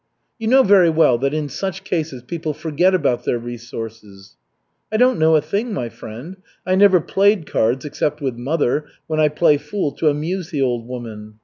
"You know very well that in such cases people forget about their resources." "I don't know a thing, my friend. I never played cards, except with mother, when I play fool to amuse the old woman.